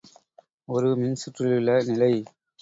ஒரு மின்சுற்றிலுள்ள நிலை.